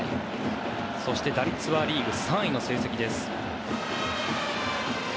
そして、打率はリーグ３位の成績です。